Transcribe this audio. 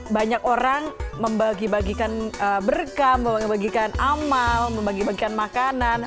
banyak orang membagi bagikan berkam membagikan amal membagi bagikan makanan